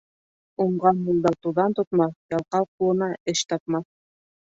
Уңған юлда туҙан тотмаҫ, ялҡау ҡулына эш тапмаҫ.